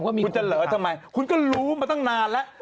คุณจะเหลือทำไมคุณก็รู้มาตั้งนานแล้ว